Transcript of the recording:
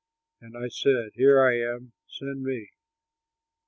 and I said, "Here am I, send me."